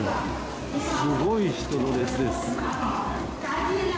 すごい人の熱です。